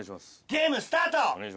ゲームスタート！